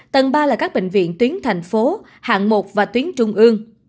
tầng ba là các bệnh viện tuyến thành phố hạng một và tuyến trung ương